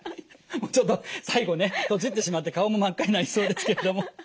ちょっと最後ねとちってしまって顔も真っ赤になりそうですけれども。